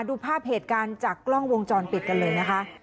ดูภาพเหตุการณ์จากกล้องวงจรปิดกันเลยนะคะ